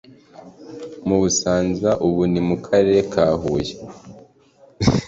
Mu Busanza ubu ni mu Karere ka Huye